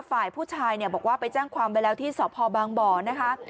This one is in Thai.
ฝ่ายผู้ชายเนี่ยบอกว่าไปแจ้งความไว้แล้วที่สพบางบ่อนะคะ